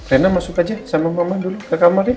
rena masuk aja sama mama dulu ke kamarnya